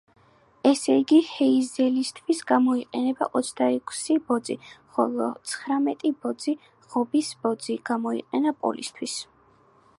ესე იგი, ჰეიზელისთვის გამოიყენა ოცდაექვსი ბოძი, ხოლო ცხრამეტი ბოძი, ღობის ბოძი, გამოიყენა პოლისთვის.